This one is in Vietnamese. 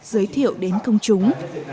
giới thiệu đến công chúng